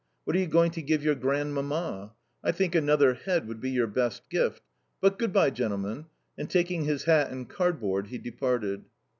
What are you going to give your Grandmamma? I think another head would be your best gift. But good bye, gentlemen," and taking his hat and cardboard he departed.